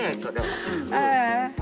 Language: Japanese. ああ。